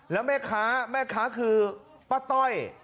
แล้วแม่ค้าแม่ค้าคือป้าต้อย